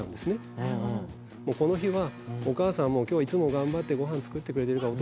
もうこの日はお母さんいつも頑張ってごはん作ってくれてるから。